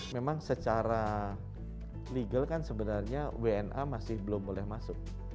memang secara legal kan sebenarnya wna masih belum boleh masuk